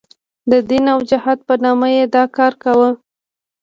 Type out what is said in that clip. د دین او جهاد په نامه یې دا کار کاوه.